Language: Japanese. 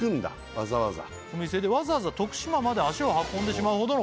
わざわざ「わざわざ徳島まで足を運んでしまうほどの」